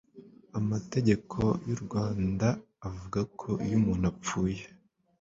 amategeko y'u rwanda avuga ko iyo umuntu apfuye